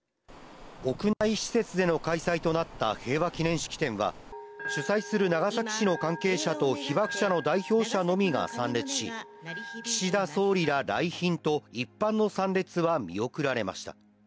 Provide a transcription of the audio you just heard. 屋内施設での開催となった平和祈念式典は、主催する長崎市の関係者と被爆者の代表者のみが参列し、岸田総理ら来賓と一般の参列は見送られました。